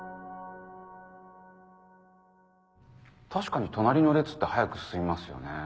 確かに隣の列って早く進みますよね。